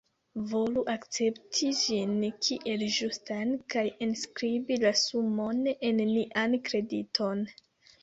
Volu akcepti ĝin kiel ĝustan kaj enskribi la sumon en nian krediton.